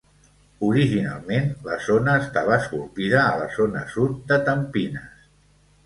Originalment, la zona estava esculpida a la zona sud de Tampines.